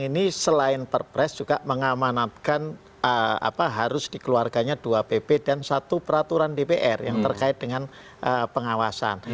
ini selain perpres juga mengamanatkan harus dikeluarkannya dua pp dan satu peraturan dpr yang terkait dengan pengawasan